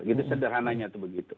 gitu sederhananya tuh begitu